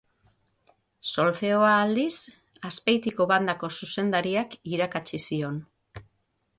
Solfeoa, aldiz, Azpeitiko bandako zuzendariak irakatsi zion.